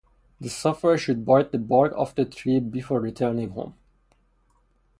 The sufferer should bite the bark of the tree before returning home.